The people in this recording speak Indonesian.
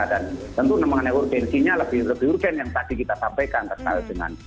dan tentu mengenai urgensinya lebih lebih urgen yang tadi kita sampaikan terkait dengan